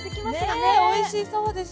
ねえおいしそうです。